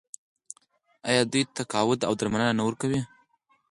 آیا دوی ته تقاعد او درملنه نه ورکوي؟